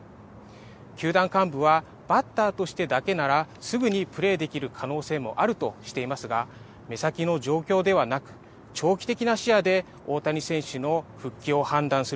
球団幹部はバッターとしてだけならすぐにプレーできる可能性もあるとしていますが目先の状況ではなく長期的な視野で大谷選手の復帰を判断すると見られます。